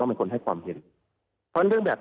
กำลังจะถามว่าในส่วนของการ